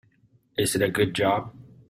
Is it a good job?